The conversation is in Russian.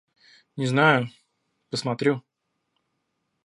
Не знаю... посмотрю.